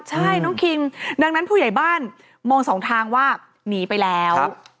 ใช่น้องคิงดังนั้นผู้ใหญ่บ้านมองสองทางว่าหนีไปแล้ว